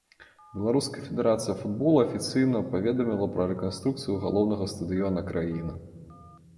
Беларуская федэрацыя футбола афіцыйна паведаміла пра рэканструкцыю галоўнага стадыёна краіны.